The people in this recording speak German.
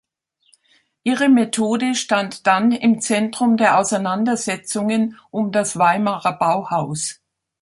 Ihre Methode stand dann im Zentrum der Auseinandersetzungen um das Weimarer Bauhaus.